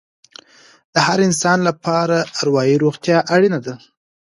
د هر انسان لپاره اروايي روغتیا اړینه ده.